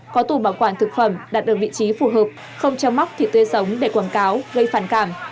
có tù bảo quản thực phẩm đặt ở vị trí phù hợp không trao móc thịt tươi sống để quảng cáo gây phản cảm